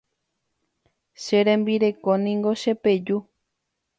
Che rembireko niko chepeju.